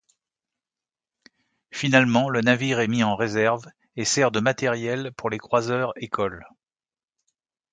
Finalement le navire est mis en réserve et sert de matériel pour les croiseurs-écoles.